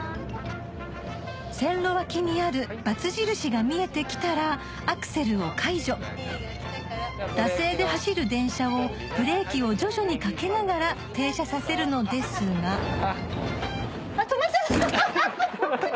線路脇にあるバツ印が見えてきたらアクセルを解除惰性で走る電車をブレーキを徐々にかけながら停車させるのですが止まっちゃったあっ！